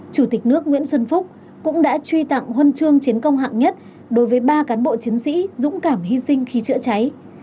chủ tịch nước nguyễn xuân phúc cũng đã truy tặng huân chương chiến công hạng nhất đối với ba cán bộ chiến sĩ dũng cảm hy sinh khi chữa cháy